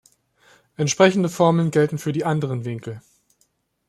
Entsprechende Formeln gelten für die anderen Winkel.